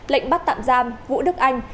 lệnh bắt tạm giam vũ đức anh